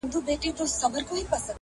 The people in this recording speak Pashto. ماشوم وم چي بوډا کیسه په اوښکو لمبوله٫